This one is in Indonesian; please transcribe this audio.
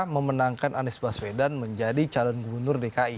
memenangkan anies baswedan menjadi calon gubernur dki